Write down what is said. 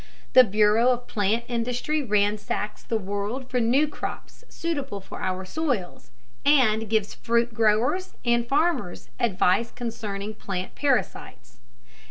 The bureau of plant industry ransacks the world for new crops suitable for our soils, and gives fruit growers and farmers advice concerning plant parasites.